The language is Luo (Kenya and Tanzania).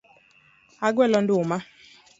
Agwelo nduma.